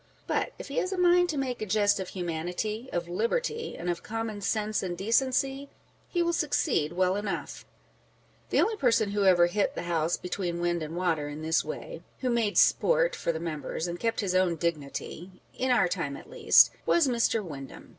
But if he has a mind to make a jest of humanity, of liberty, and of common sense and decency, he will succeed well enough ! The only person who ever " hit the House between wind and water " in this way, â€" who made sport for the Members, and kept his own dignity (in our time at least), was Mr. Windham.